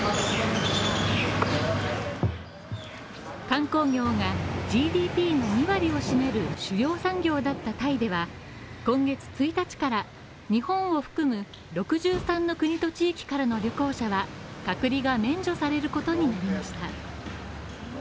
観光業がＧＤＰの２割を占める主要産業だったタイでは今月１日から日本を含む６３の国と地域からの旅行者は隔離が免除されることになりました。